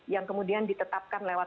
yang kemudian ditetapkan lewat